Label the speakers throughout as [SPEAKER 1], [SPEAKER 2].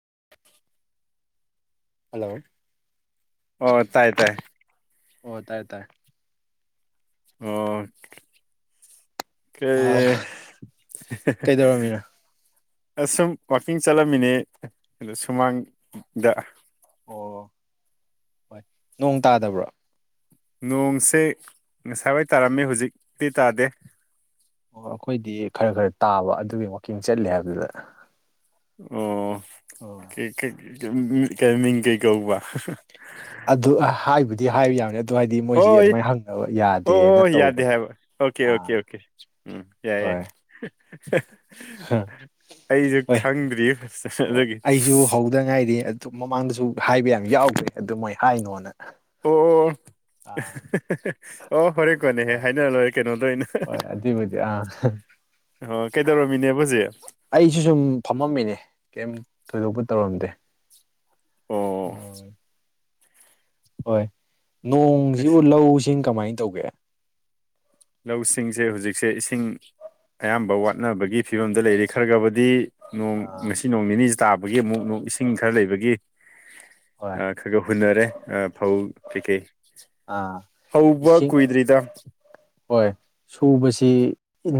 [SPEAKER 1] [unintelligible]
[SPEAKER 2] hello
[SPEAKER 1] ꯑꯣ ꯇꯥꯏ ꯇꯥꯏ
[SPEAKER 2] ꯑꯣ ꯇꯥꯏ ꯇꯥꯏ
[SPEAKER 1] ꯑꯣ ꯀ
[SPEAKER 2] ꯑ ꯀꯩꯗꯧꯔꯝꯃꯤꯅꯣ
[SPEAKER 1] ꯑꯁꯨꯝ ꯋꯥꯛꯀꯤꯡ ꯆꯠꯂꯝꯃꯤꯅꯦ ꯑꯗꯣ ꯁꯨꯃꯥꯡꯗ
[SPEAKER 2] ꯑꯣ ꯍꯣꯏ ꯅꯣꯡ ꯇꯥꯗꯕ꯭ꯔꯥ
[SPEAKER 1] ꯅꯣꯡꯁꯦ ꯉꯁꯥꯏꯋꯥꯏ ꯇꯥꯔꯝꯃꯤ ꯍꯧꯖꯤꯛꯇꯤ ꯇꯥꯗꯦ
[SPEAKER 2] ꯑꯣ ꯑꯩꯈꯣꯏꯗꯤ ꯈꯔ ꯈꯔ ꯇꯥꯕ ꯑꯗꯨꯒꯤ ꯃꯀꯤꯡ ꯆꯠꯂꯦ ꯍꯥꯏꯕꯗꯨꯗ
[SPEAKER 1] ꯑꯣ
[SPEAKER 2] ꯑꯣ
[SPEAKER 1] ꯀꯥꯏꯃꯤꯡ ꯀꯩ ꯀꯧꯕ
[SPEAKER 2] ꯗꯤ ꯍꯥꯏꯕ ꯌꯥꯕꯅꯤ ꯑꯗꯨ ꯍꯥꯏꯗꯤ ꯃꯣꯏꯁꯤ
[SPEAKER 1] ꯍꯣꯏ
[SPEAKER 2] ꯑꯗꯨꯃꯥꯏꯅ ꯍꯪꯅꯕ ꯌꯥꯗꯦꯅ
[SPEAKER 1] ꯑꯣ ꯑꯣ ꯌꯥꯗꯦ
[SPEAKER 2] ꯇꯧꯕꯅꯦ
[SPEAKER 1] ꯍꯥꯏꯕ ꯑꯣꯀꯦ ꯑꯣꯀꯦ
[SPEAKER 2] ꯑꯥ
[SPEAKER 1] ꯑꯣꯀꯦ ꯎꯝ ꯌꯥꯦ
[SPEAKER 2] ꯍꯣꯏ
[SPEAKER 1] ꯑꯩꯁꯨ
[SPEAKER 2] ꯍꯣꯏ
[SPEAKER 1] ꯈꯪꯗ꯭ꯔꯤ ꯐ ꯑꯗꯨꯗꯒꯤ
[SPEAKER 2] ꯑꯩꯁꯨ ꯍꯧꯗ ꯉꯥꯏꯔꯤ ꯑꯗꯨ ꯃꯃꯥꯡꯗꯁꯨ ꯍꯥꯏꯕ ꯌꯥꯝ ꯌꯥꯎꯈ꯭ꯔꯦ ꯑꯗꯨ ꯃꯣꯏ ꯍꯥꯏꯅꯣꯅ
[SPEAKER 1] ꯑꯣ
[SPEAKER 2] ꯑꯥ
[SPEAKER 1] ꯑꯣ ꯍꯣꯔꯦꯀꯣꯅꯦꯍꯦ
[SPEAKER 2] ꯍꯣꯏ
[SPEAKER 1] ꯍꯥꯏꯅ ꯂꯣꯏꯔꯦ ꯀꯩꯅꯣ
[SPEAKER 2] ꯍꯣꯏ ꯑꯗꯨꯕꯨꯗꯤ ꯑ
[SPEAKER 1] ꯑꯣ ꯀꯩꯗꯧꯔꯝꯃꯤꯅꯦꯕ ꯍꯧꯖꯤꯛ
[SPEAKER 2] ꯑꯩꯁꯨ ꯁꯨꯝ ꯐꯝꯃꯝꯃꯤꯅꯦ ꯀꯩ ꯊꯣꯏꯗꯣꯛꯄ ꯇꯧꯔꯝꯗꯦ
[SPEAKER 1] ꯑꯣ
[SPEAKER 2] ꯎꯝ ꯍꯣꯏ ꯅꯣꯡꯁꯤꯕꯨ ꯂꯧꯁꯤꯡ ꯀꯃꯥꯏꯅ ꯇꯧꯒꯦ
[SPEAKER 1] ꯂꯧꯁꯤꯡꯁꯦ ꯍꯧꯖꯤꯛꯁꯦ ꯏꯁꯤꯡ ꯑꯌꯥꯝꯕ ꯋꯥꯠꯅꯕꯒꯤ ꯐꯤꯕꯝꯗ ꯂꯩꯔꯤ ꯈꯔ ꯈꯕꯗꯤ ꯅꯣꯡ
[SPEAKER 2] ꯑꯥ
[SPEAKER 1] ꯉꯁꯤ ꯅꯣꯡ ꯅꯤꯅꯤꯁꯤꯦ ꯇꯥꯕꯒꯤ ꯑꯃꯨꯛ ꯏꯁꯤꯡ ꯈꯔ ꯂꯩꯕꯒꯤ
[SPEAKER 2] ꯍꯣꯏ
[SPEAKER 1] ꯑ ꯈꯒ ꯍꯨꯅꯔꯦ ꯑ ꯐꯥꯎ ꯀ ꯀꯩ
[SPEAKER 2] ꯑꯥ
[SPEAKER 1] ꯍꯕ
[SPEAKER 2] ꯏꯁꯤꯡ
[SPEAKER 1] ꯀꯣꯏꯗ꯭ꯔꯔꯤꯗ
[SPEAKER 2] ꯍꯣꯏ ꯁꯨꯕꯁꯤ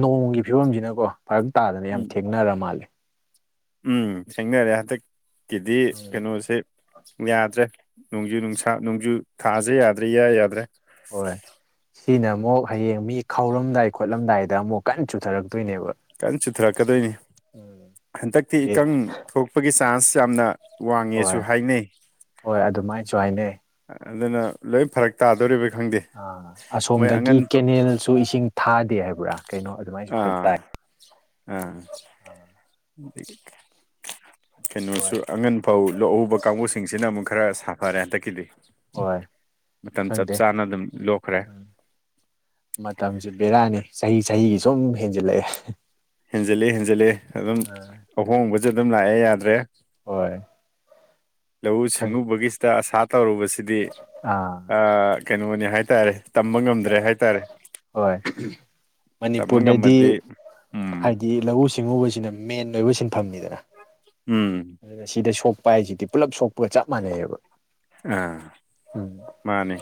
[SPEAKER 2] ꯅꯣꯡꯒꯤ ꯐꯤꯕꯝꯁꯤꯅꯀꯣ ꯐꯔꯛ ꯇꯥꯗꯅ ꯌꯥꯝ
[SPEAKER 1] ꯎꯝ
[SPEAKER 2] ꯊꯦꯡꯅꯔ ꯃꯥꯜꯂꯦ
[SPEAKER 1] ꯎꯝ ꯊꯦꯡꯅꯔꯦ ꯍꯟꯗꯛꯀꯤꯗꯤ
[SPEAKER 2] ꯎꯝ
[SPEAKER 1] ꯀꯩꯅꯣꯁꯦ ꯌꯥꯗ꯭ꯔꯦ ꯅꯣꯡꯖꯨ ꯅꯨꯡꯁꯥ ꯅꯣꯡꯖꯨ ꯊꯥꯥꯁꯦ ꯌꯥꯗ꯭ꯔꯦ ꯌꯥꯏ ꯌꯥꯗ꯭ꯔꯦ [unintelligible]
[SPEAKER 2] ꯍꯣꯏ ꯁꯤꯅ ꯑꯃꯨꯛ ꯍꯌꯦꯡ ꯃꯤ ꯈꯥꯎꯔꯝꯗꯥꯏ ꯈꯣꯠꯂꯝꯗꯥꯏꯗ ꯑꯃꯨꯛ ꯀꯟꯅ ꯆꯨꯊꯔꯛ
[SPEAKER 1] ꯀꯟꯅ ꯆꯨꯊꯔꯛꯀꯗꯣꯏꯅꯤ
[SPEAKER 2] ꯎꯝ
[SPEAKER 1] ꯍꯟꯗꯛꯇꯤ ꯏꯀꯪ ꯊꯣꯛꯄꯒꯤ ꯆꯥꯟꯁ ꯌꯥꯝꯅ
[SPEAKER 2] ꯍꯣꯏ
[SPEAKER 1] ꯋꯥꯡꯉꯦꯁꯨ ꯍꯥꯏꯅꯩ
[SPEAKER 2] ꯍꯣꯏ ꯑꯗꯨꯃꯥꯏꯅꯁꯨ ꯍꯥꯏꯅꯩ
[SPEAKER 1] ꯑꯗꯨꯅ ꯂꯣꯏ ꯐꯔꯛ ꯇꯥꯗꯣꯔꯤꯕ ꯈꯪꯗꯦ
[SPEAKER 2] ꯑ
[SPEAKER 1] ꯃꯣꯏ
[SPEAKER 2] ꯑꯁꯣꯝꯗꯒꯤ
[SPEAKER 1] ꯑꯉꯟꯕ
[SPEAKER 2] ꯀꯦꯅꯦꯜꯁꯨ ꯏꯁꯤꯡ ꯊꯥꯗꯦ ꯍꯥꯏꯕ꯭ꯔꯥ ꯀꯩꯅꯣ ꯑꯗꯨꯃꯥꯏꯁꯨ ꯈꯔ
[SPEAKER 1] ꯑꯥ
[SPEAKER 2] ꯇꯥꯏ
[SPEAKER 1] ꯑꯥ
[SPEAKER 2] ꯑꯥ
[SPEAKER 1] ꯑꯗꯒꯤ
[SPEAKER 2] ꯍꯣꯏ
[SPEAKER 1] ꯀꯩꯅꯣꯁꯨ ꯑꯉꯟ ꯐꯧ ꯂꯣꯛꯎꯕ ꯀꯥꯡꯕꯨꯁꯤꯡꯁꯤꯅ ꯑꯃꯨꯛ ꯈꯔ ꯁꯥꯐꯔꯦ ꯍꯟꯗꯛꯀꯤꯗꯤ
[SPEAKER 2] ꯍꯣꯏ
[SPEAKER 1] ꯃꯇꯝ ꯆꯞ
[SPEAKER 2] ꯈꯪꯗꯦ
[SPEAKER 1] ꯆꯥꯅ ꯑꯗꯨꯝ ꯂꯣꯛꯈ꯭ꯔꯦ
[SPEAKER 2] ꯃꯇꯝꯁ ꯕꯦꯔꯥꯅꯤ ꯆꯍꯤ ꯆꯍꯤꯒꯤ ꯁꯨꯝ ꯍꯦꯟꯖꯤꯜꯂꯛꯑꯦ
[SPEAKER 1] ꯍꯦꯟꯖꯤꯜꯂꯤ ꯍꯦꯟꯖꯤꯜꯂꯤ ꯑꯗꯨꯝ
[SPEAKER 2] ꯑꯥ
[SPEAKER 1] ꯑꯍꯣꯡꯕꯁꯦ ꯑꯗꯨꯝ ꯂꯥꯛꯑꯦ ꯌꯥꯗ꯭ꯔꯦ
[SPEAKER 2] ꯍꯣꯏ ꯈꯪ
[SPEAKER 1] ꯁꯤꯉꯨ ꯒꯁꯇ ꯁꯥꯇꯔꯨꯕꯁꯦ ꯁꯤꯗꯤ
[SPEAKER 2] ꯑꯥ
[SPEAKER 1] ꯀꯩꯅꯣꯅꯤ ꯍꯥꯏꯇꯥꯔꯦ ꯇꯝꯕ ꯉꯝꯗ꯭ꯔꯦ ꯍꯥꯏꯇꯥꯔꯦ
[SPEAKER 2] ꯍꯣꯏ
[SPEAKER 1] ꯇꯝꯕ
[SPEAKER 2] ꯃꯅꯤꯄꯨꯔꯗꯗꯤ
[SPEAKER 1] ꯉꯝꯃꯗꯤ ꯎꯝ
[SPEAKER 2] ꯍꯥꯏꯗꯤ ꯂꯧ ꯂꯧꯎ ꯁꯤꯡꯎꯕꯁꯤꯅ ꯃꯦꯟ ꯑꯣꯏꯕ ꯁꯤꯟꯐꯝꯅꯤꯗꯅ
[SPEAKER 1] ꯎꯝ
[SPEAKER 2] ꯑꯗꯨꯅ ꯁꯤꯗ ꯁꯣꯛ ꯎꯄꯥꯏꯁꯤꯗꯤ ꯄꯨꯂꯞ ꯁꯣꯛꯄꯒ ꯆꯞ ꯃꯥꯟꯅꯩꯑꯕ
[SPEAKER 1] ꯑꯥ
[SPEAKER 2] ꯎꯝ
[SPEAKER 1] ꯃꯥꯅꯦ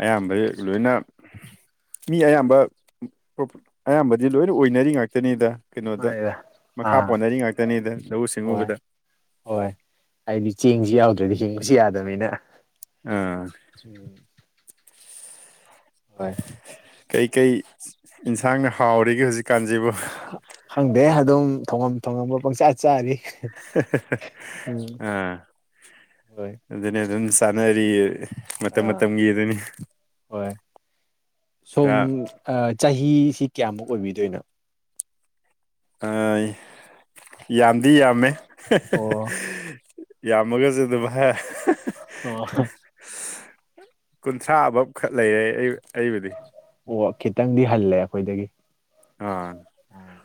[SPEAKER 1] ꯑꯌꯥꯝꯕꯁ ꯂꯣꯏꯅ ꯃꯤ ꯑꯌꯥꯝꯕ ꯑꯌꯥꯝꯕꯗꯤ ꯂꯣꯏꯅ ꯑꯣꯏꯅꯔꯤ ꯉꯥꯛꯇꯅꯤꯗ ꯀꯩꯅꯣꯗ
[SPEAKER 2] ꯃꯥꯅꯤꯗ
[SPEAKER 1] ꯃꯈꯥ
[SPEAKER 2] ꯑꯥ
[SPEAKER 1] ꯄꯣꯟꯅꯔꯤ ꯉꯥꯛꯇꯅꯤꯗ ꯂꯧꯎ
[SPEAKER 2] ꯍꯣꯏ
[SPEAKER 1] ꯁꯤꯡꯎꯕꯗ
[SPEAKER 2] ꯍꯣꯏ ꯍꯥꯏꯗꯤ ꯆꯦꯡꯁꯨ ꯌꯥꯎꯗ꯭ꯔꯗꯤ ꯍꯤꯡꯕꯁꯨ ꯌꯥꯗꯕꯅꯤꯅ
[SPEAKER 1] ꯑꯥ
[SPEAKER 2] ꯎꯝ ꯍꯣꯏ
[SPEAKER 1] ꯀꯩꯀꯩ ꯏꯟꯁꯥꯡꯅ ꯍꯥꯎꯔꯤꯒꯦ ꯍꯧꯖꯤꯛ
[SPEAKER 2] ꯍꯪꯗꯦ ꯑꯗꯨꯝ ꯊꯣꯉꯝ ꯊꯣꯡꯉꯝꯕ ꯄꯪꯆꯆꯥ ꯆꯥꯔꯤ ꯎꯝ
[SPEAKER 1] ꯑ
[SPEAKER 2] ꯍꯣꯏ
[SPEAKER 1] ꯑꯗꯨ ꯑꯗꯨꯝ ꯇꯅꯔꯤ ꯃꯇꯝ
[SPEAKER 2] ꯑꯥ
[SPEAKER 1] ꯃꯇꯝꯒꯤ ꯑꯗꯨꯅꯤ
[SPEAKER 2] ꯍꯣꯏ ꯁꯣꯝ
[SPEAKER 1] ꯈꯔ
[SPEAKER 2] ꯆꯍꯤꯁꯤ ꯀꯌꯥꯃꯨꯛ ꯑꯣꯏꯕꯤꯗꯣꯏꯅꯣ
[SPEAKER 1] ꯑ ꯌꯥꯝꯗꯤ ꯌꯥꯝꯃꯦ
[SPEAKER 2] ꯑꯣ
[SPEAKER 1] ꯌꯥꯝꯃꯒꯁꯨꯦ ꯑꯗꯨꯃꯥꯏ
[SPEAKER 2] ꯑꯣ
[SPEAKER 1] ꯀꯨꯟꯊ꯭ꯔꯥꯕꯕ ꯈꯛ ꯂꯩꯌꯦꯦ ꯑꯩꯕꯨꯗꯤ
[SPEAKER 2] ꯑꯣ ꯈꯤꯇꯪꯗꯤ ꯍꯜꯂꯦ ꯑꯩꯈꯣꯏꯗꯒꯤ
[SPEAKER 1] ꯑ
[SPEAKER 2] ꯑꯥ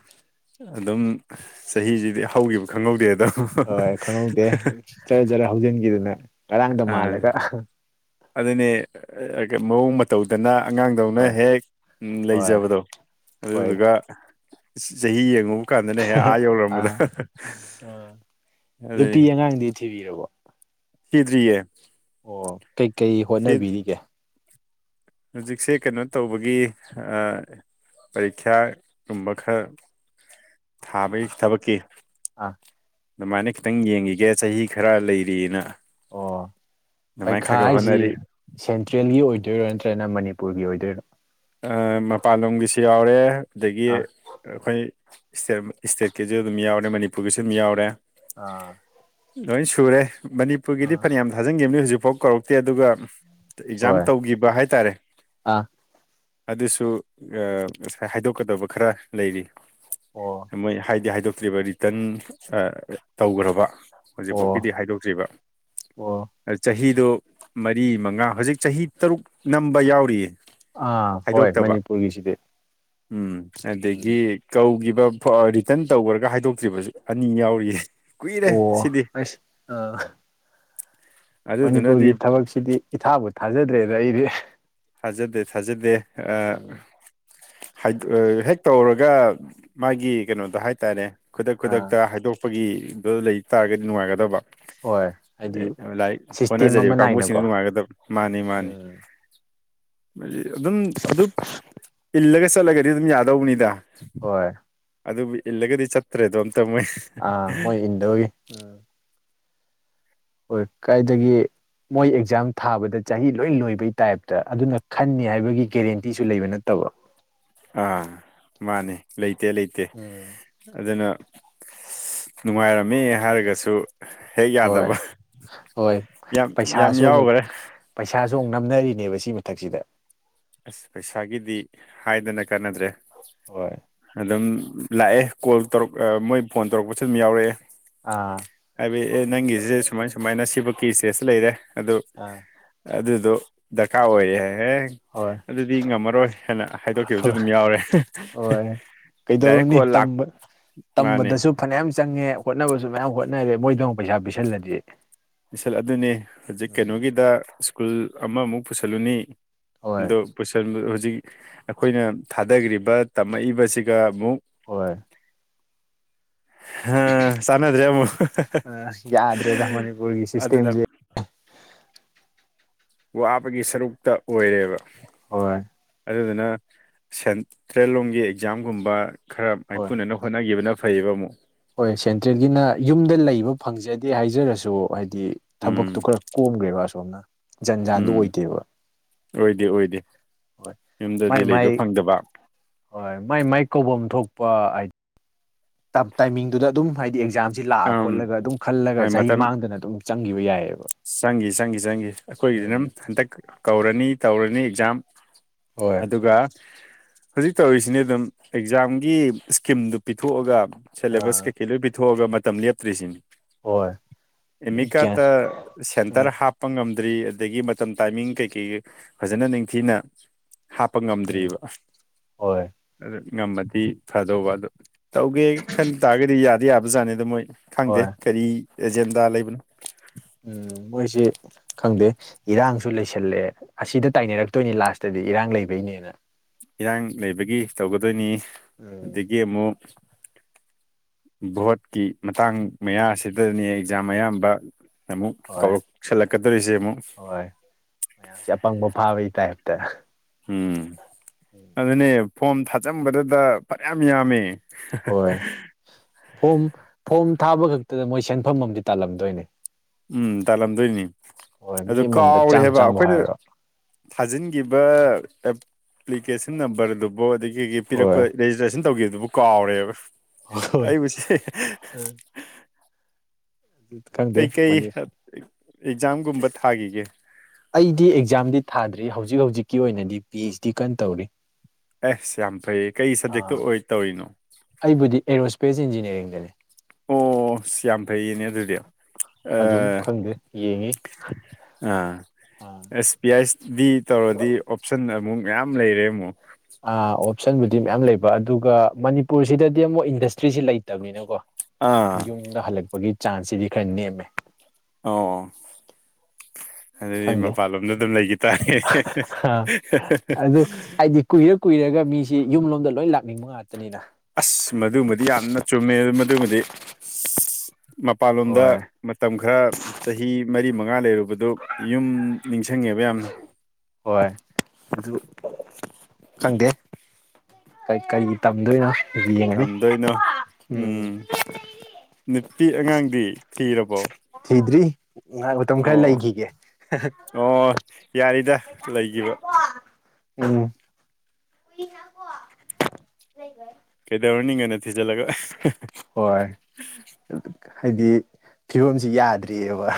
[SPEAKER 1] ꯑꯗꯨꯝ ꯆꯍꯤꯁꯤꯗꯤ ꯍꯧꯈꯤꯕ ꯈꯪꯍꯧꯗꯦ ꯑꯗ
[SPEAKER 2] ꯍꯣꯏ ꯈꯪꯍꯧꯗꯦ ꯆꯔ ꯆꯠꯔ ꯍꯧꯖꯤꯟꯈꯤꯗꯨꯅꯦ ꯉꯔꯥꯡꯗ ꯃꯥꯜꯂꯒ
[SPEAKER 1] ꯑꯗꯨꯅꯤ ꯃꯑꯣꯡ ꯃꯇꯧꯗꯅ ꯑꯉꯥꯡꯗꯧꯅ
[SPEAKER 2] ꯍꯣꯏ
[SPEAKER 1] ꯍꯦꯛ
[SPEAKER 2] ꯍꯣꯏ
[SPEAKER 1] ꯂꯩꯖꯕꯗꯣ
[SPEAKER 2] ꯍꯣꯏ
[SPEAKER 1] ꯑꯗꯨꯗꯨꯒ ꯁꯍꯤ ꯍꯒꯣ ꯀ ꯀꯥꯟꯗꯅꯦ ꯍꯦꯛ ꯑꯥ ꯌꯧꯔꯝꯕꯗ
[SPEAKER 2] ꯑꯥ
[SPEAKER 1] ꯑꯗꯨꯅꯤ
[SPEAKER 2] ꯊꯤꯕꯤꯔꯕ
[SPEAKER 1] ꯁꯤꯤꯗꯔꯤꯌꯦ
[SPEAKER 2] ꯑꯣ ꯀꯩꯀꯩ ꯍꯣꯠꯅꯕꯤꯔꯤꯒꯦ
[SPEAKER 1] ꯍꯧꯖꯤꯛꯁꯦ ꯀꯩꯅꯣ ꯇꯧꯕꯒꯤ ꯄꯔꯤꯈ꯭ꯌꯥꯒꯨꯝꯕ ꯈꯔ ꯊꯥꯕꯒꯤ
[SPEAKER 2] ꯑꯥ
[SPEAKER 1] ꯊꯕꯛꯀꯤ
[SPEAKER 2] ꯑꯥ
[SPEAKER 1] ꯑꯗꯨꯃꯥꯏꯅ ꯈꯤꯇꯪ ꯌꯦꯡꯈꯤꯒꯦ ꯆꯍꯤ ꯈꯔ ꯂꯩꯔꯤꯑꯅ
[SPEAKER 2] ꯑꯣ ꯄꯩꯈꯥ ꯍꯥꯏꯁꯤ
[SPEAKER 1] ꯍꯣꯠꯅꯔꯤ
[SPEAKER 2] ꯁꯦꯟꯇ꯭ꯔꯦꯜꯒꯤ ꯑꯣꯏꯗꯣꯏꯔꯥ ꯅꯠꯇ꯭ꯔꯣ ꯁꯅ ꯃꯅꯤꯄꯨꯔꯒꯤ ꯑꯣꯏꯗꯣꯏꯅꯣ
[SPEAKER 1] ꯃꯄꯥꯟꯂꯣꯝꯒꯤꯁꯨ ꯌꯥꯎꯔꯦ ꯑꯗꯒꯤ
[SPEAKER 2] ꯑꯥ
[SPEAKER 1] ꯑꯩꯈꯣꯏ ꯏꯁꯇꯦꯠ ꯏꯁꯇꯦꯠꯀꯤꯁꯨ ꯑꯗꯨꯝ ꯌꯥꯎꯔꯦ ꯃꯅꯤꯄꯨꯔꯒꯤꯁꯨ ꯑꯗꯨꯝ ꯌꯥꯎꯔꯦ
[SPEAKER 2] ꯑꯥ
[SPEAKER 1] ꯂꯣꯏ ꯁꯨꯔꯦ ꯃꯅꯤꯄꯨꯔꯒꯤꯗꯤ
[SPEAKER 2] ꯑꯥ
[SPEAKER 1] ꯐꯅꯌꯥꯝ ꯊꯥꯖꯤꯟꯈꯤꯕꯅꯤ ꯍꯧꯖꯤꯛꯐꯥꯎ ꯀꯧꯔꯛꯇꯦ ꯑꯗꯨꯒ ꯑꯦꯛꯖꯥꯝ
[SPEAKER 2] ꯍꯣꯏ
[SPEAKER 1] ꯇꯧꯈꯤꯕ ꯍꯥꯏꯇꯥꯔꯦ
[SPEAKER 2] ꯑꯥ
[SPEAKER 1] ꯑꯗꯨꯁꯨ ꯉꯁꯥꯏ ꯍꯥꯏꯗꯣꯛꯀꯗꯕ ꯈꯔ ꯂꯩꯔꯤ
[SPEAKER 2] ꯑꯣ
[SPEAKER 1] ꯃꯣꯏ ꯍꯥꯏꯗꯤ ꯍꯥꯏꯗꯣꯛꯇ꯭ꯔꯤꯕ ꯔꯤꯇꯔꯟ ꯇꯧꯈ꯭ꯔꯕ
[SPEAKER 2] ꯑꯣ
[SPEAKER 1] ꯍꯧꯖꯤꯛꯐꯥꯎꯒꯤꯗꯤ ꯍꯥꯏꯗꯣꯛꯇ꯭ꯔꯤꯕ
[SPEAKER 2] ꯑꯣ
[SPEAKER 1] ꯆꯍꯤ ꯑꯗꯨ ꯃꯔꯤ ꯃꯉꯥ ꯍꯧꯖꯤꯛ ꯆꯍꯤ ꯇꯔꯨꯛ ꯅꯝꯕ ꯌꯥꯎꯔꯤꯌꯦ
[SPEAKER 2] ꯑꯥ ꯍꯣꯏ
[SPEAKER 1] ꯍꯥꯏꯗꯣꯛꯇꯕ
[SPEAKER 2] ꯃꯅꯤꯄꯨꯔꯒꯤꯁꯤꯗꯤ
[SPEAKER 1] ꯎꯝ ꯑꯗꯒꯤ
[SPEAKER 2] ꯎꯝ
[SPEAKER 1] ꯀꯧꯒꯤ ꯔꯤꯇꯔꯟ ꯇꯧꯕꯈ꯭ꯔꯒ ꯍꯥꯏꯗꯣꯛꯇ꯭ꯔꯤꯕꯁ ꯑꯅꯤ ꯌꯥꯎꯔꯤꯌꯦ ꯀꯨꯏꯔꯦ
[SPEAKER 2] ꯑꯣ
[SPEAKER 1] ꯁꯤꯗꯤ
[SPEAKER 2] ꯑꯁ ꯑꯥ ꯃꯅꯤꯄꯨꯔꯒꯤ
[SPEAKER 1] ꯑꯗꯨꯗꯨꯅꯗꯤ
[SPEAKER 2] ꯊꯕꯛꯁꯤꯗꯤ ꯏꯊꯥꯕꯨ ꯊꯥꯖꯗ꯭ꯔꯦꯗ ꯑꯩꯗꯤ
[SPEAKER 1] ꯊꯥꯖꯗꯦ ꯊꯥꯖꯗꯦ
[SPEAKER 2] ꯎꯝ
[SPEAKER 1] ꯑ ꯍꯦꯛ ꯇꯧꯔꯒ ꯃꯥꯒꯤ ꯀꯩꯅꯣꯗ ꯍꯥꯏꯇꯥꯔꯦ ꯈꯨꯗꯛ
[SPEAKER 2] ꯑꯥ
[SPEAKER 1] ꯈꯨꯗꯛꯇ ꯍꯥꯏꯗꯣꯛꯄꯒꯤꯗ ꯂꯩ ꯇꯥꯔꯒꯗꯤ ꯅꯨꯡꯉꯥꯏꯒꯗꯕ
[SPEAKER 2] ꯍꯣꯏ ꯍꯥꯏꯗꯤ
[SPEAKER 1] ꯂꯥꯏ
[SPEAKER 2] ꯁꯤꯁꯇꯦꯝ ꯑꯃ
[SPEAKER 1] ꯍꯣꯠꯅꯖꯔꯤꯕ ꯀꯥꯡꯕꯨꯁꯤꯡꯅ
[SPEAKER 2] ꯅꯥꯏꯅꯀꯣ
[SPEAKER 1] ꯅꯨꯡꯉꯥꯏꯒꯗꯕ ꯃꯥꯅꯤ ꯃꯥꯅꯤ
[SPEAKER 2] [inaudible]
[SPEAKER 1] ꯑꯗꯨꯝ ꯑꯗꯨ ꯏꯜꯂꯒ ꯆꯠꯂꯒꯗꯤ ꯑꯗꯨꯝ ꯌꯥꯗꯧꯕꯅꯤꯗ
[SPEAKER 2] ꯍꯣꯏ
[SPEAKER 1] ꯑꯗꯨꯕꯨ ꯏꯜꯂꯒꯗꯤ ꯆꯠꯇ꯭ꯔꯦꯗꯣ ꯑꯝꯇ ꯃꯣꯏ
[SPEAKER 2] ꯑꯥ ꯃꯣꯏ ꯏꯟꯗꯧꯒꯤ ꯎꯝ ꯍꯣꯏ ꯀꯥꯏꯗꯒꯤ ꯃꯣꯏ ꯑꯦꯛꯖꯥꯝ ꯊꯥꯕꯗ ꯆꯍꯤ ꯂꯣꯏ ꯂꯣꯏꯕꯩ ꯇꯥꯏꯞꯇ ꯑꯗꯨꯅ ꯈꯟꯅꯤ ꯍꯥꯏꯕꯒꯤ ꯒꯦꯔꯦꯟꯇꯤꯁꯨ ꯂꯩꯕ ꯅꯠꯇꯕ [inaudible]
[SPEAKER 1] ꯑꯥ ꯃꯥꯅꯦ ꯂꯩꯇꯦ ꯂꯩꯇꯦ
[SPEAKER 2] ꯎꯝ
[SPEAKER 1] ꯑꯗꯨꯅ ꯅꯨꯡꯉꯥꯏꯔꯝꯃꯦ ꯍꯥꯏꯔꯒꯁꯨ ꯍꯦꯛ
[SPEAKER 2] ꯍꯣꯏ
[SPEAKER 1] ꯌꯥꯗꯕ
[SPEAKER 2] ꯍꯣꯏ
[SPEAKER 1] ꯌꯥꯝ ꯌꯥꯝ ꯌꯥꯎꯈ꯭ꯔꯦ
[SPEAKER 2] ꯑ ꯁꯣꯛ ꯅꯝꯅꯔꯤꯅꯦꯕ ꯁꯤ ꯃꯊꯛꯁꯤꯗ
[SPEAKER 1] ꯑꯁ ꯄꯩꯁꯥꯒꯤꯗꯤ ꯍꯥꯏꯗꯅ ꯀꯥꯟꯅꯗ꯭ꯔꯦ
[SPEAKER 2] ꯍꯣꯏ
[SPEAKER 1] ꯑꯗꯨꯝ ꯂꯥꯛꯑꯦ ꯀꯣꯜ ꯇꯧꯔꯛ ꯃꯣꯏ ꯐꯣꯟ ꯇꯧꯔꯛꯄꯁꯨ ꯑꯗꯨꯝ ꯌꯥꯎꯔꯛꯑꯦ
[SPEAKER 2] ꯑꯥ
[SPEAKER 1] ꯍꯥꯏꯕꯗꯤ ꯑꯦ ꯅꯪꯒꯤꯁꯤꯦ ꯁꯨꯃꯥꯏ ꯁꯨꯃꯥꯏꯅ ꯁꯤꯕꯀꯤ ꯏꯁꯇꯦꯁꯇ ꯂꯩꯔꯦ ꯑꯗꯨ
[SPEAKER 2] ꯍꯣꯏ
[SPEAKER 1] ꯑꯗꯨꯗꯣ ꯗꯔꯀꯥꯔ ꯑꯣꯏꯌꯦ ꯍꯌꯦ ꯑꯗꯨꯗꯤ ꯉꯝꯃꯔꯣꯏ ꯍꯥꯏꯅ ꯍꯥꯏꯗꯣꯛꯈꯤꯕꯁꯨ
[SPEAKER 2] ꯍꯣꯏ
[SPEAKER 1] ꯑꯗꯨꯝ ꯌꯥꯎꯔꯦ
[SPEAKER 2] ꯍꯣꯏ
[SPEAKER 1] ꯗꯥꯏꯔꯦꯛ
[SPEAKER 2] ꯀꯩꯗꯧꯔꯨꯅꯤ
[SPEAKER 1] ꯀꯣꯜ ꯂꯥꯛ ꯃꯥꯅꯤ
[SPEAKER 2] ꯇꯝꯕꯗꯁꯨ ꯐꯅꯌꯥꯝ ꯆꯪꯉꯦ ꯍꯣꯠꯅꯕꯁꯨ ꯃꯌꯥꯝ ꯍꯣꯠꯅꯔꯦ ꯃꯣꯏꯗꯪ ꯄꯩꯁꯥ ꯄꯤꯤꯁꯜꯂꯗꯤ
[SPEAKER 1] ꯏꯁꯁꯜ ꯑꯗꯨꯅꯦ ꯍꯧꯖꯤꯛ ꯀꯩꯅꯣꯒꯤꯗ ꯁ꯭ꯀꯨꯜ ꯑꯃꯃꯨꯛ ꯄꯨꯁꯜꯂꯨꯅꯤ
[SPEAKER 2] ꯍꯣꯏ
[SPEAKER 1] ꯑꯗꯣ ꯄꯨꯁꯟ ꯍꯧꯖꯤꯛ ꯑꯩꯈꯣꯏꯅ ꯊꯥꯗꯈ꯭ꯔꯤꯕ ꯇꯝꯃꯛꯏꯕꯁꯤꯒ ꯃꯨꯛ ꯆꯥꯟꯅꯗ꯭ꯔꯦ ꯑꯃꯨꯛ
[SPEAKER 2] ꯑ ꯌꯥꯗ꯭ꯔꯦꯗ ꯃꯅꯤꯕꯨ ꯁ꯭ꯄꯨꯔꯒꯤ
[SPEAKER 1] ꯑꯗꯨꯅ
[SPEAKER 2] ꯁꯤꯁꯇꯦꯝꯁꯦ
[SPEAKER 1] ꯋꯥꯕꯒꯤ ꯁꯔꯨꯛꯇ ꯑꯣꯏꯔꯦꯕ
[SPEAKER 2] ꯍꯣꯏ
[SPEAKER 1] ꯑꯗꯨꯅ ꯁꯦꯟꯇ꯭ꯔꯦꯜ ꯂꯣꯝꯒꯤ ꯑꯦꯛꯖꯥꯝꯒꯨꯝꯕ ꯈꯔ
[SPEAKER 2] ꯍꯣꯏ
[SPEAKER 1] ꯃꯥꯏꯄꯨꯅꯅ ꯍꯣꯠꯅꯈꯤꯕꯅ ꯐꯩꯕ ꯑꯃꯨ
[SPEAKER 2] ꯍꯣꯏ ꯁꯦꯟꯇ꯭ꯔꯦꯜꯒꯤꯅ ꯌꯨꯝꯗ ꯂꯩꯕ ꯐꯪꯖꯗꯦ ꯍꯥꯏꯖꯔꯁꯨ ꯍꯥꯏꯗꯤ
[SPEAKER 1] ꯎꯝ
[SPEAKER 2] ꯊꯕꯛꯇꯣ ꯈꯔ ꯀꯣꯝꯈ꯭ꯔꯦꯕ ꯑꯁꯣꯝꯅ ꯖꯟ ꯖꯥꯟꯗꯨꯣ
[SPEAKER 1] ꯎꯝ
[SPEAKER 2] ꯑꯣꯏꯗꯦꯕ
[SPEAKER 1] ꯑꯣꯏꯗꯦ ꯑꯣꯏꯗꯦ
[SPEAKER 2] ꯍꯣꯏ ꯃꯥꯏ
[SPEAKER 1] ꯌꯨꯝꯗꯗꯤ ꯂꯩꯕ
[SPEAKER 2] ꯃꯥꯏ
[SPEAKER 1] ꯐꯪꯗꯕ
[SPEAKER 2] ꯍꯣꯏ ꯃꯥꯏ ꯃꯥꯏ ꯀꯧꯕ ꯊꯣꯛꯄ ꯍꯥꯏꯗꯤ ꯇꯥꯏꯃꯤꯡꯗꯨꯗ ꯑꯗꯨꯝ ꯍꯥꯏꯗꯤ ꯑꯦꯛꯖꯥꯝ ꯁꯤ ꯂꯥꯛꯑ
[SPEAKER 1] ꯑꯝ
[SPEAKER 2] ꯈꯣꯠꯂꯒ ꯑꯗꯨꯝ ꯈꯜꯂꯒ
[SPEAKER 1] ꯍꯣꯏ
[SPEAKER 2] ꯆꯍꯤ
[SPEAKER 1] ꯃꯇꯝ
[SPEAKER 2] ꯃꯥꯡꯗꯅ ꯑꯗꯨꯝ ꯆꯪꯈꯤꯕ ꯌꯥꯏꯑꯕ
[SPEAKER 1] ꯆꯪꯈꯤ ꯆꯪꯈꯤ ꯆꯪꯈꯤ ꯑꯩꯈꯣꯏꯒꯤꯗꯤ
[SPEAKER 2] ꯎꯝ
[SPEAKER 1] ꯑꯗꯨꯝ ꯍꯟꯇꯛ ꯀꯧꯔꯅꯤ ꯇꯧꯔꯅꯤ ꯑꯦꯛꯖꯥꯝ
[SPEAKER 2] ꯍꯣꯏ
[SPEAKER 1] ꯑꯗꯨꯒ ꯍꯧꯖꯤꯛ ꯇꯧꯔꯤꯁꯤꯅꯦ ꯑꯗꯨꯝ ꯑꯦꯛꯖꯥꯝꯒꯤ ꯏꯁꯀꯤꯝꯗꯨ ꯄꯤꯊꯣꯛꯑꯒ ꯁꯦꯂꯦꯕꯁ
[SPEAKER 2] ꯑꯥ
[SPEAKER 1] ꯀꯩꯀꯩ ꯂꯣꯏ ꯄꯤꯊꯣꯛꯑꯒ ꯃꯇꯝ ꯂꯦꯞꯇ꯭ꯔꯤꯁꯤꯅꯤ
[SPEAKER 2] ꯍꯣꯏ ꯒ꯭ꯌꯥꯟ
[SPEAKER 1] ꯑꯃꯤꯀꯥꯇ
[SPEAKER 2] ꯑꯥ
[SPEAKER 1] ꯁꯦꯟꯇꯔ ꯍꯥꯞꯄ ꯉꯝꯗ꯭ꯔꯤ ꯑꯗꯒꯤ ꯃꯇꯝ ꯇꯥꯏꯃꯤꯡ ꯀꯩꯀꯩ ꯐꯖꯅ ꯅꯤꯡꯊꯤꯅ ꯍꯥꯞꯄ
[SPEAKER 2] ꯎꯝ
[SPEAKER 1] ꯉꯝꯗ꯭ꯑꯔꯤꯕ
[SPEAKER 2] ꯍꯣꯏ
[SPEAKER 1] ꯑꯗꯨ ꯉꯝꯃꯗꯤ ꯐꯗꯧꯕ ꯑꯗꯨꯗ ꯇꯧꯒꯦ ꯈꯟ ꯇꯥꯔꯒꯗꯤ ꯌꯥꯗꯤ ꯌꯥꯕꯖꯥꯠꯅꯤꯗ ꯃꯣꯏ ꯈꯪꯗꯦ
[SPEAKER 2] ꯍꯣꯏ
[SPEAKER 1] ꯀꯔꯤ ꯑꯦꯖꯦꯟꯗꯥ ꯂꯩꯕꯅꯣ
[SPEAKER 2] ꯎꯝ ꯃꯣꯏꯁꯤ ꯈꯪꯗꯦ ꯏꯔꯥꯡꯁꯨ ꯂꯩꯁꯜꯂ‌ꯦ ꯑꯁꯤꯗ ꯇꯥꯏꯅꯔꯛꯇꯣꯏꯅꯤ ꯂꯥꯁꯇꯗꯤ ꯏꯔꯥꯡ ꯂꯩꯕꯩꯅꯦꯅ
[SPEAKER 1] ꯏꯔꯥꯡ ꯂꯩꯕꯒꯤ ꯇꯧꯒꯗꯣꯏꯅꯤ
[SPEAKER 2] ꯎꯝ
[SPEAKER 1] ꯑꯗꯒꯤ ꯑꯃꯨꯛ ꯚꯣꯠꯀꯤ ꯃꯇꯥꯡ ꯃꯌꯥ ꯑꯁꯤꯗꯅꯤ ꯑꯦꯛꯖꯥꯝ ꯑꯌꯥꯝꯕ ꯑꯃꯨꯛ
[SPEAKER 2] ꯍꯣꯏ
[SPEAKER 1] ꯀꯧꯔꯛꯁꯜꯂꯛꯀꯗꯣꯔꯤꯁꯦ ꯑꯃꯨꯛ
[SPEAKER 2] ꯍꯣꯏ ꯇ
[SPEAKER 1] ꯎꯝ ꯑꯗꯨꯅꯦ ꯐꯣꯝ ꯊꯥꯖꯕꯗꯨꯗ ꯐꯔꯌꯥꯝ ꯌꯥꯝꯃꯤ
[SPEAKER 2] ꯍꯣꯏ
[SPEAKER 1] [unintelligible]
[SPEAKER 2] ꯐꯣꯝ ꯐꯣꯝ ꯊꯥꯕ ꯈꯛꯇꯗ ꯃꯣꯏ ꯁꯦꯟꯐꯝ ꯑꯝ ꯇꯥꯜꯂꯝꯗꯣꯏꯅꯦ
[SPEAKER 1] ꯎꯝ ꯇꯥꯜꯂꯝꯗꯣꯏꯅꯤ
[SPEAKER 2] ꯍꯣꯏ ꯃꯤ
[SPEAKER 1] ꯑꯗꯨ
[SPEAKER 2] ꯑꯃꯃꯝꯗ
[SPEAKER 1] ꯀꯥꯎꯔꯦ
[SPEAKER 2] ꯆꯥꯝꯃ
[SPEAKER 1] ꯍꯥꯏꯕ
[SPEAKER 2] ꯆꯥꯝꯃ
[SPEAKER 1] ꯑꯩꯈꯣꯏꯅ
[SPEAKER 2] ꯍꯥꯏꯔꯣ
[SPEAKER 1] ꯊꯥꯖꯤꯟꯒꯤꯕ ꯑꯦꯄ꯭ꯂꯤꯀꯦꯁꯟ ꯅꯝꯕꯔꯗꯨꯕꯨ ꯑꯗꯒꯤ
[SPEAKER 2] ꯍꯣꯏ
[SPEAKER 1] ꯄꯤꯔꯛꯄ ꯔꯦꯖꯤꯁꯇ꯭ꯔꯦꯁꯟ ꯇꯧꯈꯤꯕꯗꯨꯕꯨ ꯀꯥꯎꯔꯦꯕ
[SPEAKER 2] ꯍꯣꯏ
[SPEAKER 1] ꯑꯩꯕꯨꯁ
[SPEAKER 2] ꯈꯪꯗꯦ
[SPEAKER 1] ꯀꯩꯀꯩ
[SPEAKER 2] ꯃꯅꯤ
[SPEAKER 1] ꯑꯦꯛꯖꯥꯝꯒꯨꯝ
[SPEAKER 2] ꯑꯩꯗꯤ ꯑꯦꯛꯖꯥꯝꯗꯤ ꯊꯥꯗ꯭ꯔꯤ ꯍꯧꯖꯤꯛ ꯍꯧꯖꯤꯛꯀꯤ ꯑꯣꯏꯅꯗꯤ ꯄꯤ ꯑꯩꯆ ꯗꯤ ꯀꯟꯅ ꯇꯧꯔꯤ
[SPEAKER 1] ꯑꯦꯁ ꯌꯥꯝ ꯐꯩꯌꯦ ꯀꯩ
[SPEAKER 2] ꯑꯥ
[SPEAKER 1] ꯁꯕꯖꯦꯛꯇ ꯑꯣꯏ ꯇꯧꯔꯤꯅꯣ
[SPEAKER 2] ꯑꯩꯕꯨꯗꯤ ꯑꯦꯔꯣꯁꯄꯦꯁ ꯏꯟꯖꯤꯅꯤꯌꯥꯔꯤꯡ
[SPEAKER 1] ꯑꯣ ꯁꯤ ꯌꯥꯝ ꯐꯩꯌꯦꯅꯦ ꯑꯗꯨꯗꯤ
[SPEAKER 2] ꯑꯗꯨꯝ ꯈꯪꯗꯦ ꯌꯦꯡꯉꯤ
[SPEAKER 1] ꯑꯥ
[SPEAKER 2] ꯑꯥ
[SPEAKER 1] ꯑꯦꯁ ꯄꯤ ꯑꯥꯏ ꯗꯤ ꯇꯧꯔꯗꯤ ꯑꯣꯞꯁꯟ ꯑꯃꯨꯛ ꯃꯌꯥꯝ ꯂꯩꯔꯦ ꯑꯃꯛ
[SPEAKER 2] ꯑ ꯑꯣꯞꯁꯟꯕꯨꯗꯤ ꯃꯌꯥꯝ ꯂꯩꯕ ꯑꯗꯨꯒ ꯃꯅꯤꯄꯨꯔꯁꯤꯗꯗꯤ ꯑꯃꯨꯛ ꯏꯟꯗꯁꯇ꯭ꯔꯤꯁꯤ ꯂꯩꯇꯕꯅꯤꯅꯀꯣ
[SPEAKER 1] ꯑꯥ
[SPEAKER 2] ꯌꯨꯝꯗ ꯍꯜꯂꯛꯄꯒꯤ ꯆꯥꯟꯁꯁꯤꯗꯤ ꯈꯔ ꯅꯦꯝꯃꯦ
[SPEAKER 1] ꯑꯣ ꯑꯗꯨꯗꯤ
[SPEAKER 2] ꯈꯪꯗꯦ
[SPEAKER 1] ꯃꯄꯥꯟꯂꯣꯝꯗ ꯑꯗꯨꯝ ꯂꯩꯈꯤ ꯇꯥꯔꯦ
[SPEAKER 2] ꯑꯗꯨ ꯍꯥꯏꯗꯤ ꯀꯨꯏꯔ ꯀꯨꯏꯔꯒ ꯃꯤꯁꯤ ꯌꯨꯝꯂꯣꯝꯗ ꯂꯣꯏ ꯂꯥꯛꯅꯤꯡꯕ ꯉꯥꯛꯇꯅꯤꯅ
[SPEAKER 1] ꯑꯁ ꯃꯗꯨꯃꯗꯤ ꯌꯥꯝꯅ ꯆꯨꯝꯃꯦ ꯃꯗꯨꯃꯗꯤ ꯑꯁ ꯃꯄꯥꯟꯂꯣꯝꯗ
[SPEAKER 2] ꯍꯣꯏ
[SPEAKER 1] ꯃꯇꯝ ꯈꯔ ꯆꯍꯤ ꯃꯔꯤ ꯃꯉꯥ ꯂꯩꯔꯨ ꯑꯗꯨ ꯌꯨꯝ ꯅꯤꯡꯁꯤꯡꯉꯦꯕ ꯌꯥꯝꯅ
[SPEAKER 2] ꯍꯣꯏ ꯑꯗꯨ ꯈꯪꯗꯦ ꯀꯔꯤ ꯇꯝꯗꯣꯏꯅꯣ ꯌꯦꯡꯉꯅꯤ
[SPEAKER 1] ꯇꯝꯗꯣꯏꯅꯣ ꯎꯝ ꯅꯨꯄꯤ ꯑꯉꯥꯡꯗꯤ ꯊꯤꯔꯕꯣ
[SPEAKER 2] ꯊꯗ꯭ꯔꯤ ꯉꯍ ꯃꯇꯝ ꯈꯔ
[SPEAKER 1] ꯑꯣ
[SPEAKER 2] ꯂꯩꯈꯤꯒꯦ
[SPEAKER 1] ꯑꯣ ꯌꯥꯔꯤꯗ ꯂꯩꯒꯤꯕ
[SPEAKER 2] ꯎꯝ
[SPEAKER 1] ꯀꯩꯗꯧꯔꯨꯅꯤ ꯉꯟꯅ ꯊꯤꯖꯜꯂꯒ
[SPEAKER 2] ꯍꯣꯏ
[SPEAKER 1] [unintelligible]
[SPEAKER 2] ꯍꯥꯏꯗꯤ ꯐꯤꯕꯝꯁꯤ ꯌꯥꯗ꯭ꯔꯤꯑꯕ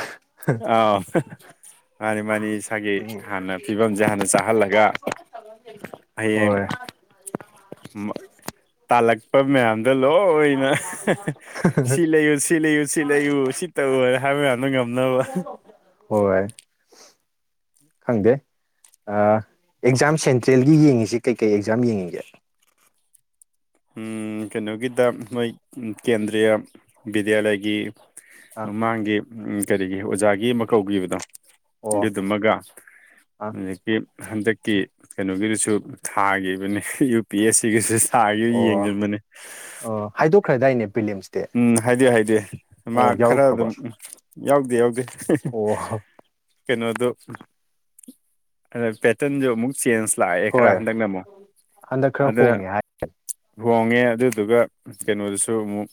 [SPEAKER 1] ꯑꯥꯎ [unintelligible] ꯃꯥꯅꯤ ꯃꯥꯅꯤ ꯏꯁꯥꯒꯤ
[SPEAKER 2] ꯎꯝ
[SPEAKER 1] ꯍꯥꯟꯅ ꯐꯤꯕꯝꯁꯦ ꯍꯥꯟꯅ ꯆꯥꯍꯜꯂꯒ ꯍꯌꯦꯡ
[SPEAKER 2] ꯍꯣꯏ
[SPEAKER 1] ꯇꯥꯜꯂꯛꯄ ꯃꯌꯥꯝ ꯗ ꯂꯣꯏꯅ ꯁꯤ ꯂꯩꯌꯨ ꯁꯤ ꯂꯩꯌꯨ ꯁꯤ ꯂꯩꯌꯨ ꯁꯤ ꯇꯧꯅ ꯍꯥꯏꯕ ꯃꯌꯥꯝꯗ ꯉꯝ ꯉꯝꯅꯕ
[SPEAKER 2] ꯍꯣꯏ ꯈꯪꯗꯦ ꯑꯦꯛꯖꯥꯝ ꯁꯦꯟꯇ꯭ꯔꯦꯜꯒꯤ ꯌꯦꯡꯉꯁꯤ ꯀꯩꯀꯩ ꯑꯦꯛꯖꯥꯝ ꯌꯦꯡꯉꯒꯦ
[SPEAKER 1] ꯀꯩꯅꯣꯒꯤꯗ ꯃꯣꯏ ꯀꯦꯟꯗ꯭ꯔꯤꯌꯥ ꯕꯤꯗ꯭ꯌꯥꯂꯌꯥꯒꯤ
[SPEAKER 2] ꯑꯥ
[SPEAKER 1] ꯃꯃꯥꯡꯒꯤ ꯎ ꯀꯔꯤꯒꯤ ꯑꯣꯖꯥꯒꯤ ꯑꯃ ꯀꯧꯕꯧꯈꯤꯕꯗꯣ
[SPEAKER 2] ꯑꯣ
[SPEAKER 1] ꯑꯗꯨꯗꯨꯃꯒ
[SPEAKER 2] ꯑꯥ
[SPEAKER 1] ꯍꯧꯖꯤꯛꯀꯤ ꯍꯟꯗꯛꯀꯤ ꯀꯩꯅꯣꯒꯤꯗꯨꯁꯨ ꯊꯥꯈꯤꯕꯅꯦ ꯌꯨ ꯄꯤ ꯑꯦꯁ ꯁꯤꯒꯤꯁꯨ ꯊꯥ
[SPEAKER 2] ꯑꯣ
[SPEAKER 1] ꯌꯦꯡꯖꯕꯅꯦ
[SPEAKER 2] ꯑꯣ ꯍꯥꯏꯗꯣꯛꯈ꯭ꯔꯗꯥꯏꯅꯦ ꯄ꯭ꯔꯤꯂꯤꯝꯁꯇꯤ
[SPEAKER 1] ꯎꯝ ꯍꯥꯏꯗꯤ ꯍꯥꯏꯗꯤ ꯃꯥ
[SPEAKER 2] ꯑꯣ
[SPEAKER 1] ꯈꯔ
[SPEAKER 2] ꯌꯥꯎꯔꯛꯈ꯭ꯔꯕ
[SPEAKER 1] ꯑꯗꯨꯝ ꯎꯝ ꯌꯥꯎꯗꯦ ꯌꯥꯎꯗꯦ
[SPEAKER 2] ꯑꯣ
[SPEAKER 1] ꯀꯩꯅꯩꯅꯣꯗꯣ ꯑ ꯄꯦꯇꯟꯁꯨ ꯑꯃꯨꯛ ꯆꯦꯟꯖ ꯂꯥꯛꯑꯦ ꯈꯔ
[SPEAKER 2] ꯍꯣꯏ
[SPEAKER 1] ꯍꯟꯗꯛꯅ ꯑꯃꯨꯛ
[SPEAKER 2] ꯍꯟꯗꯛ ꯈꯔ
[SPEAKER 1] ꯑꯗꯨꯅ
[SPEAKER 2] ꯍꯣꯡꯉꯦ ꯍꯥꯏ
[SPEAKER 1] ꯍꯣꯡꯉꯦ ꯑꯗꯨꯗꯨꯒ ꯀꯩꯅꯣꯗꯨꯁꯨ ꯑꯃꯨꯛ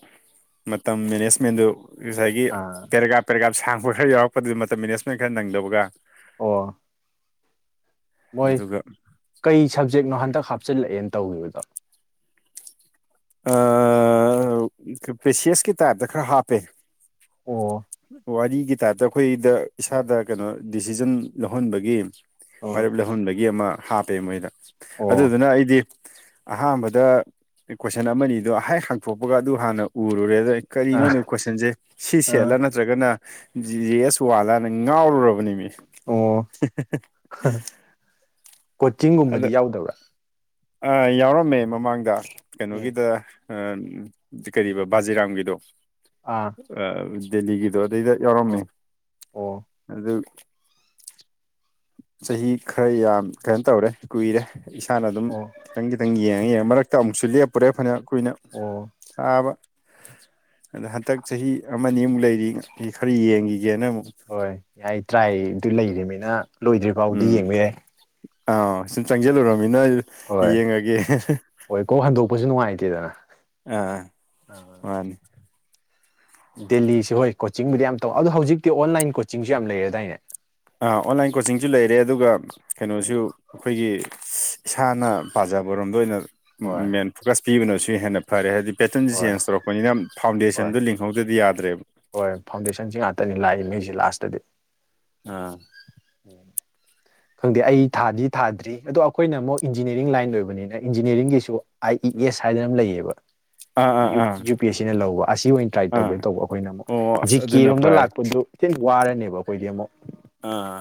[SPEAKER 1] ꯃꯇꯝ ꯃꯦꯅꯦꯁꯃꯦꯟꯗꯨ ꯉꯁꯥꯏꯒꯤ
[SPEAKER 2] ꯑꯥ
[SPEAKER 1] ꯄꯦꯔꯦꯒ꯭ꯔꯥꯞ-ꯄꯦꯔꯦꯒ꯭ꯔꯥꯞ ꯁꯥꯡꯕ ꯈꯔ ꯌꯥꯎꯔꯛꯄꯗꯨꯗ ꯃꯇꯝ ꯃꯦꯅꯦꯁꯃꯦꯟ ꯈꯔ ꯅꯪꯗꯕꯒ
[SPEAKER 2] ꯑꯣ ꯃꯣꯏ
[SPEAKER 1] ꯑꯗꯨꯒ
[SPEAKER 2] ꯀꯩ ꯁꯕꯖꯦꯛꯅꯣ ꯍꯟꯗꯛ ꯍꯥꯞꯆꯤꯜꯂꯛꯑꯦꯅ ꯇꯧꯒꯤꯕꯗꯣ
[SPEAKER 1] ꯑꯥ ꯀ ꯄꯦꯁꯦꯁꯀꯤ ꯇꯥꯏꯞꯇ ꯈꯔ ꯍꯥꯞꯄꯦ
[SPEAKER 2] ꯑꯣ
[SPEAKER 1] ꯋꯥꯔꯤꯒꯤ ꯇꯥꯏꯞꯇ ꯑꯩꯈꯣꯏꯗ ꯏꯁꯥꯗ ꯀꯩꯅꯣ ꯗꯤꯁꯤꯖꯟ ꯂꯧꯍꯟꯕꯒꯤ
[SPEAKER 2] ꯑꯣ
[SPEAKER 1] ꯋꯥꯔꯦꯞ ꯂꯧꯍꯟꯕꯒꯤ ꯑꯃ ꯍꯥꯞꯄꯦ ꯃꯣꯏꯗ
[SPEAKER 2] ꯑꯣ
[SPEAKER 1] ꯑꯗꯨꯗꯨꯅ ꯑꯩꯗꯤ ꯑꯍꯥꯟꯕꯗ ꯀꯣꯏꯁꯟ ꯑꯃꯅꯤꯗꯣ ꯍꯦꯛ ꯍꯥꯡꯇꯣꯛꯄꯒ ꯑꯗꯨ ꯍꯥꯟꯅ ꯎꯔꯨꯔꯦ ꯑꯗ ꯀꯔꯤꯅꯣꯅꯦ
[SPEAKER 2] ꯑꯥ
[SPEAKER 1] ꯀꯣꯏꯁꯟꯖꯦ ꯁꯤ ꯁꯦꯠꯂ
[SPEAKER 2] ꯑꯥ
[SPEAKER 1] ꯅꯠ ꯇ꯭ꯔꯒꯅ ꯖꯤ ꯖꯤ ꯑꯦꯁ ꯋꯥꯜꯂꯥꯅ ꯉꯥꯎꯔꯨꯔꯕꯅꯤ ꯃꯤ
[SPEAKER 2] ꯑꯣ
[SPEAKER 1] [unintelligible] ꯑꯗꯣ
[SPEAKER 2] ꯀꯣꯆꯤꯡꯒꯨꯝꯕꯗꯤ ꯌꯥꯎꯗꯕ꯭ꯔꯥ
[SPEAKER 1] ꯑꯥ ꯌꯥꯎꯔꯝꯃꯦ ꯃꯃꯥꯡꯗ
[SPEAKER 2] ꯎꯝ
[SPEAKER 1] ꯀꯩꯅꯣꯒꯤꯗ ꯑꯥ ꯀꯔꯤꯕ ꯕꯥꯖꯤꯔꯥꯝꯒꯤꯗꯣ
[SPEAKER 2] ꯑꯥ
[SPEAKER 1] ꯑ ꯗꯦꯜꯂꯤꯒꯤꯗꯣ ꯑꯗꯩꯗ ꯌꯥꯎꯔꯝꯃꯦ
[SPEAKER 2] ꯑꯣ ꯑꯣ
[SPEAKER 1] ꯑꯗꯨ ꯆꯍꯤ ꯈꯔ ꯌꯥꯝ ꯀꯩꯅꯣ ꯇꯧꯔꯦ ꯀꯨꯏꯔꯦ ꯏꯁꯥꯅ ꯑꯗꯨꯝ
[SPEAKER 2] ꯑꯣ
[SPEAKER 1] ꯈꯤꯇꯪ-ꯈꯤꯇꯪ ꯌꯦꯡꯉ-ꯌꯦꯡꯉ ꯃꯔꯛꯇ ꯑꯃꯨꯛꯁꯨ ꯂꯦꯞꯄꯨꯔꯦ ꯐꯅ ꯀꯨꯏꯅ
[SPEAKER 2] ꯑꯣ
[SPEAKER 1] ꯅꯥꯕ ꯑꯗ ꯍꯟꯇꯛ ꯆꯍꯤ ꯑꯃꯅꯤꯃꯨꯛ ꯂꯩꯔꯤ ꯈꯔ ꯌꯦꯡꯒꯤ
[SPEAKER 2] ꯍꯣꯏ ꯌꯥꯏ ꯇ꯭ꯔꯥꯏꯗꯨ ꯂꯩꯔꯤꯃꯤꯅ ꯂꯣꯏꯗ꯭ꯔꯤ ꯐꯥꯎꯗꯤ ꯌꯦꯡꯕ ꯌꯥꯏ
[SPEAKER 1] ꯑꯧ ꯁꯨꯝ ꯆꯪꯖꯜꯂꯨꯨꯔꯃꯤꯅ
[SPEAKER 2] ꯍꯣꯏ
[SPEAKER 1] ꯌꯦꯡꯉꯒꯦ ꯍꯍ
[SPEAKER 2] ꯍꯣꯏ ꯀꯣꯛ ꯍꯟꯗꯣꯛꯄꯁꯨ ꯅꯨꯡꯉꯥꯏꯇꯦꯗꯅ
[SPEAKER 1] ꯑꯥ ꯃꯥꯅꯤ
[SPEAKER 2] ꯗꯦꯜꯂꯤꯁꯦ ꯍꯣꯏ ꯀꯣꯆꯤꯡꯕꯨꯗꯤ ꯌꯥꯝ ꯇꯧ ꯑꯗꯣ ꯍꯧꯖꯤꯛꯇꯤ ꯑꯣꯟꯂꯥꯏꯟ ꯀꯣꯆꯤꯡꯖꯨ ꯌꯥꯝ ꯂꯩꯔꯦꯗꯥꯏꯅꯦ
[SPEAKER 1] ꯑꯩ ꯑꯣꯟꯂꯥꯏꯟ ꯀꯣꯆꯤꯡꯖꯨ ꯂꯩꯔꯦ ꯑꯗꯨꯒ ꯀꯩꯅꯣꯁꯨ ꯑꯩꯈꯣꯏꯒꯤ [unintelligible] ꯏꯁꯥꯅ ꯄꯥꯖꯕꯔꯣꯝꯗ ꯑꯣꯏꯅ
[SPEAKER 2] ꯍꯣꯏ
[SPEAKER 1] ꯃꯦꯟ ꯐꯣꯀꯁ ꯄꯤꯕꯅꯁꯨ ꯍꯦꯟꯅ ꯐꯔꯦ ꯍꯥꯏꯗꯤ ꯄꯦꯇꯟꯁꯦ
[SPEAKER 2] ꯍꯣꯏ
[SPEAKER 1] ꯆꯦꯟꯖ ꯇꯧꯔꯛꯄꯅꯤꯅ
[SPEAKER 2] ꯍꯣꯏ
[SPEAKER 1] ꯐꯥꯎꯟꯗꯦꯁꯟꯗꯣ ꯂꯤꯡꯍꯧꯗ꯭ꯔꯗꯤ ꯌꯥꯗ꯭ꯔꯦꯕ
[SPEAKER 2] ꯍꯣꯏ ꯐꯥꯎꯟꯗꯦꯁꯟꯁꯤ ꯉꯥꯛꯇꯅꯤ ꯂꯥꯛꯏ ꯃꯤꯁꯦ ꯂꯥꯁꯇꯗꯤ
[SPEAKER 1] ꯑꯥ
[SPEAKER 2] ꯈꯪꯗꯦ ꯑꯩ ꯊꯥꯗꯤ ꯊꯥꯗ꯭ꯔꯤ ꯑꯗꯣ ꯑꯈꯣꯏꯅ ꯑꯃꯨꯛ ꯏꯟꯖꯤꯅꯤꯌꯥꯔꯤꯡ ꯂꯥꯏꯟ ꯂꯣꯏꯕꯅꯤꯅ ꯏꯟꯖꯤꯅꯤꯌꯥꯔꯤꯡꯒꯤꯁꯨ ꯑꯥꯏ ꯏ ꯒꯦꯁ ꯍꯥꯏꯗꯅꯝ ꯂꯩꯌꯦꯕ
[SPEAKER 1] ꯑ
[SPEAKER 2] ꯌꯨ ꯄꯤ ꯑꯦꯁ ꯁꯤꯅ ꯂꯧꯕ ꯑꯁꯤ ꯑꯣꯏꯅ ꯇ꯭ꯔꯥꯏ
[SPEAKER 1] ꯑꯥ
[SPEAKER 2] ꯇꯧꯒꯦ ꯇꯧꯕ ꯑꯩꯈꯣꯏꯅ ꯑꯃꯨꯛ
[SPEAKER 1] ꯑꯣ
[SPEAKER 2] ꯖꯤ
[SPEAKER 1] ꯑꯁ ꯑꯗꯨꯅ
[SPEAKER 2] ꯀꯦꯔꯣꯝꯗ
[SPEAKER 1] ꯐꯔꯦ
[SPEAKER 2] ꯂꯥꯛꯄꯗꯨ ꯈꯤꯇꯪ ꯋꯥꯔꯅꯦꯕ ꯑꯩꯈꯣꯏꯗꯤ ꯑꯃꯨꯛ
[SPEAKER 1] ꯑ